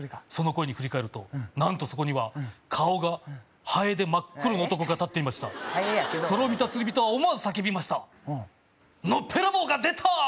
その声に振り返ると何とそこには顔がハエで真っ黒の男が立っていましたそれを見た釣り人は思わず叫びました「のっぺらぼうが出た！」